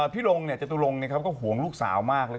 พิรงว์เนี่ยเจตุรงฌ์เนี่ยเค้าก็หวงลูกสาวมากเลย